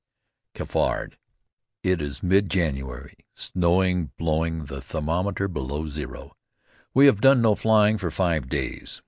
XII CAFARD It is mid January, snowing, blowing, the thermometer below zero. We have done no flying for five days.